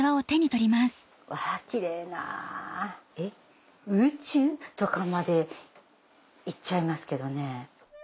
わぁキレイな宇宙？とかまで行っちゃいますけどね。